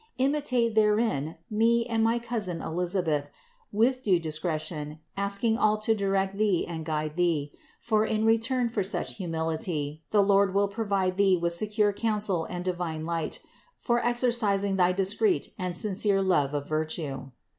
Imitate therein me and my cousin Elisa beth, with due discretion asking all to direct thee and guide thee; for in return for such humility the Lord will provide thee with secure counsel and divine light for exercising thy discreet and sincere love of virtue.